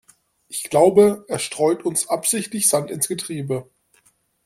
Ich glaube, er streut uns absichtlich Sand ins Getriebe.